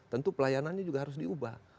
tentu pelayanannya juga harus diubah